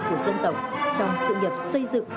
của dân tộc trong sự nhập xây dựng